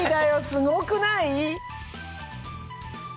すごくない？